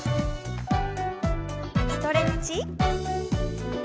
ストレッチ。